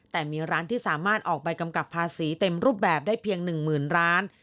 แต่มีร้านที่สามารถออกใบกำกับภาษีเต็มรูปแบบได้เพียง๑๐๐๐ร้าน